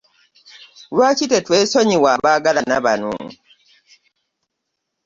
Lwaki tetwesonyiwa abaagalana bano?